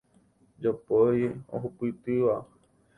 Jopói ohupytýva.